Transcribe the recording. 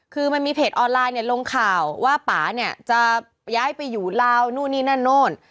คือมันมีเพจออนไลน์เนี่ยลงข่าวว่าป่าเนี่ยจะย้ายไปอยู่ลาวนู่นนี่นั่นนู่น